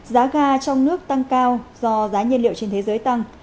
giá ga trong nước tăng cao do giá nhiên liệu trên thế giới tăng